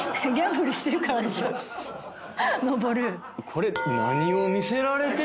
これ。